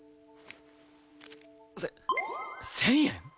せ１０００円？